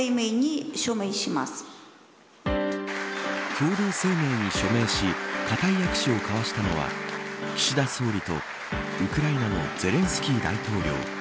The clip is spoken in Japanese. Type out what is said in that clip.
共同声明に署名し固い握手を交わしたのは岸田総理とウクライナのゼレンスキー大統領。